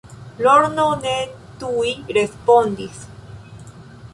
Lorno ne tuj respondis.